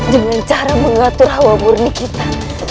dengan cara mengatur hawa murni kita